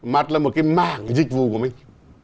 mặt là một cái mạng dịch vụ của mình